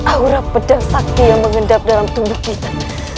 aura pedas sakti yang mengendap dalam tubuh kita